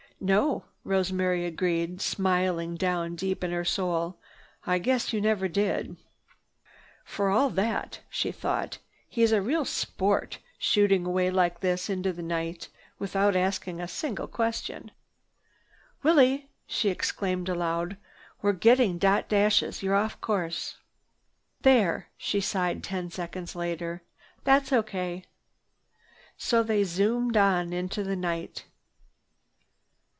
"No," Rosemary agreed, smiling down deep in her soul, "I guess you never did!" "For all that," she thought, "he's a real sport, shooting away like this into the night without asking a single question." "Willie!" she exclaimed aloud, "We're getting dot dashes! You're off the course. "There!" she sighed ten seconds later. "That's O.K." So they zoomed on into the night.